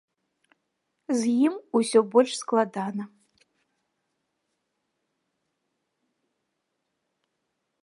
З ім усё больш складана.